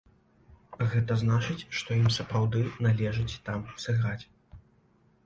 Гэта значыць, што ім сапраўды належыць там сыграць.